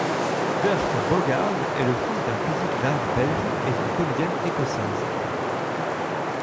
Dirk Bogarde est le fils d'un critique d'art belge et d'une comédienne écossaise.